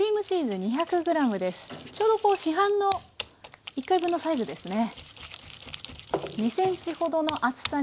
ちょうど市販の１回分のサイズですね。